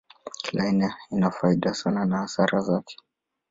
Kila aina ina faida na hasara yake.